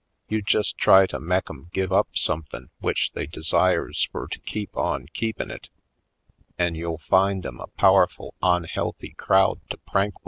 You jest try to mek 'em give up somethin' w'ich they desires fur to keep on keepin' it, an' you'll find 'em a powerful onhealthy crowd to prank wid.